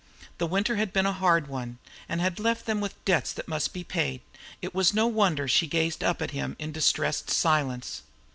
The winter had been a hard one, and had left them with debts that must be paid. It was no wonder she gazed up at him in distressed silence.